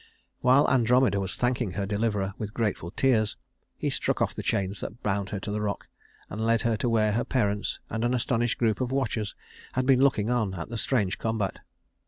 While Andromeda was thanking her deliverer with grateful tears, he struck off the chains that bound her to the rock, and led her to where her parents and an astonished group of watchers had been looking on at the strange combat.